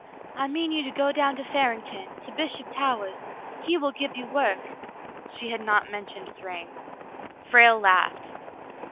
"I mean you to go down to Farington, to Bishop Towahs'. He will give you work." She had not men tioned Thryng. Frale laughed.